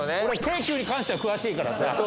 俺京急に関しては詳しいからさ。